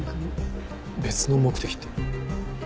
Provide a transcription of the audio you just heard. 別の目的って？